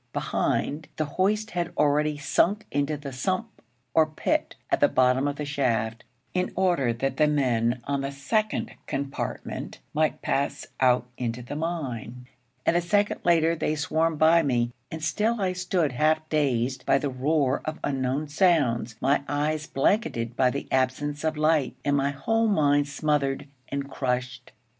Behind, the hoist had already sunk into the 'sump' or pit, at the bottom of the shaft, in order that the men on the second compartment might pass out into the mine; and a second later they swarmed by me and still I stood, half dazed by the roar of unknown sounds, my eyes blanketed by the absence of light, and my whole mind smothered and crushed.